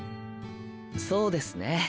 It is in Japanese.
そうですね